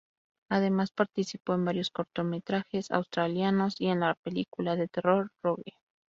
Además, participó en varios cortometrajes australianos y en la película de terror "Rogue".